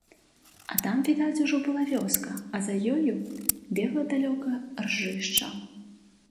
А там відаць ужо была вёска, а за ёю бегла далёка ржышча.